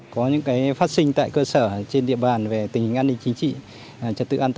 công tác chỉ đạo về an ninh trật tự